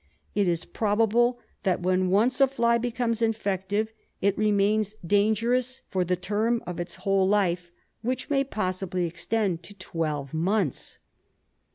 It is probable that when once a fly becomes infective, it remains dangerous for the SLEEPING SICKNESS 41 term of its whole life, which may possibly extend to twelve months.